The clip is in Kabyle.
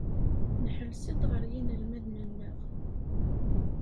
Nḥelles-d ɣer yinelmaden-nneɣ.